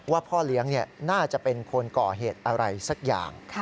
พ่อเลี้ยงน่าจะเป็นคนก่อเหตุอะไรสักอย่าง